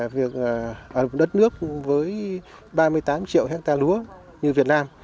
việc đất nước với ba mươi tám triệu hectare lúa như việt nam